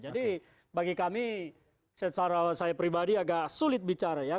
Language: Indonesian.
bagi kami secara saya pribadi agak sulit bicara ya